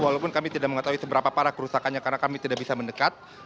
walaupun kami tidak mengetahui seberapa parah kerusakannya karena kami tidak bisa mendekat